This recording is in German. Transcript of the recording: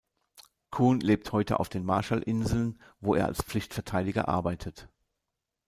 Kun lebt heute auf den Marshallinseln, wo er als Pflichtverteidiger arbeitet.